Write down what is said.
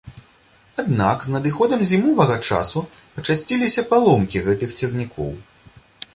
Аднак, з надыходам зімовага часу пачасціліся паломкі гэтых цягнікоў.